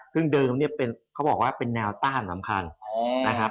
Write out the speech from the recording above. ซึ่งเดิมเนี่ยเขาบอกว่าเป็นแนวต้านสำคัญนะครับ